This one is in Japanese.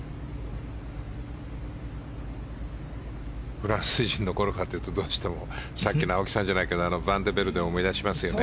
フランス人のゴルファーというとどうしてもさっきの青木さんじゃないけどヴァン・デ・ベルデを思い出しますね。